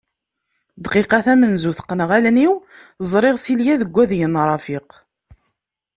Dqiqa tamenzut qqneɣ allen-iw, ẓriɣ Silya deg wadeg n Rafiq.